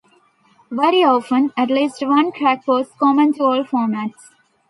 Very often, at least one track was common to all formats.